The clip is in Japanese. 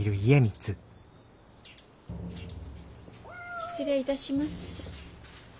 失礼いたします。